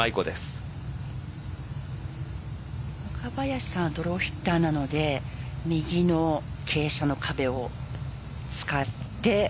若林さんはドローヒッターなので右の傾斜の壁を使って。